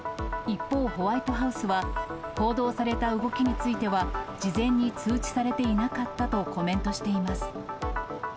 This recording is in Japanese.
一方、ホワイトハウスは、報道された動きについては、事前に通知されていなかったとコメントしています。